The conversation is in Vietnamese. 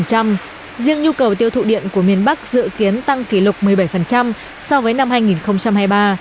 riêng nhu cầu tiêu thụ điện của miền bắc dự kiến tăng kỷ lục một mươi bảy so với năm hai nghìn hai mươi ba